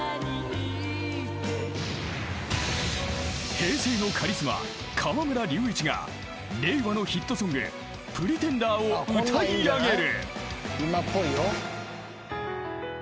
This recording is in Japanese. ［平成のカリスマ河村隆一が令和のヒットソング『Ｐｒｅｔｅｎｄｅｒ』を歌い上げる］